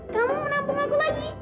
kamu mau nampung aku lagi